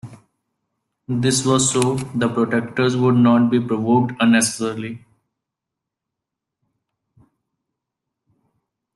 This was so the protectors would not be provoked unnecessarily.